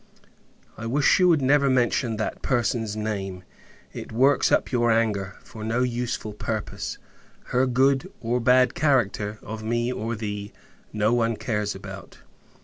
I wish, you would never mention that person's name! It works up your anger, for no useful purpose. Her good or bad character, of me or thee, no one cares about.